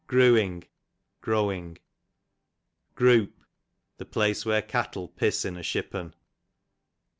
Grooing, growing. Groop, the place where cattle piss in a shippen.